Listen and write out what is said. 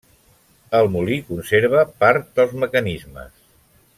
El molí conserva part dels mecanismes.